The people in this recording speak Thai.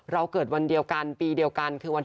เราเกิดวันเดียวกันในปีเดียวกัน